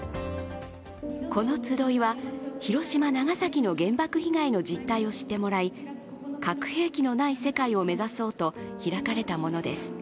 この集いは広島・長崎の原爆被害の実態を知ってもらい、核兵器のない世界を目指そうと開かれたものです。